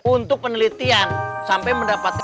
untuk penelitian sampai mendapatkan